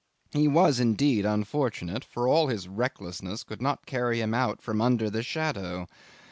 He was indeed unfortunate, for all his recklessness could not carry him out from under the shadow.